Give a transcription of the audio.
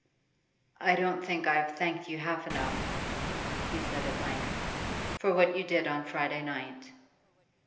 'I don't think I've thanked you half enough,' he said at length, 'for what you did on Friday night.